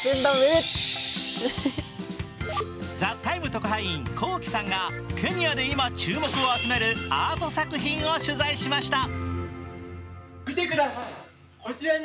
特派員、ＫＯＫＩさんがケニアで今注目を集めるアート作品を取材しました。